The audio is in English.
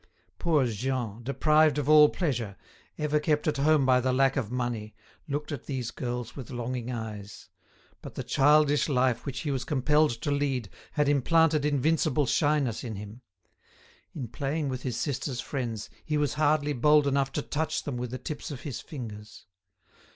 Poor Jean, deprived of all pleasure, ever kept at home by the lack of money, looked at these girls with longing eyes; but the childish life which he was compelled to lead had implanted invincible shyness in him; in playing with his sister's friends, he was hardly bold enough to touch them with the tips of his fingers.